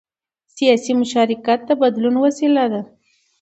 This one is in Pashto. سیاسي مشارکت د بدلون وسیله ده